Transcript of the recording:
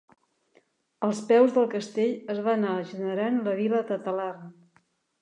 Als peus del castell es va anar generant la vila de Talarn.